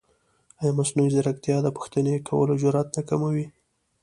ایا مصنوعي ځیرکتیا د پوښتنې کولو جرئت نه کموي؟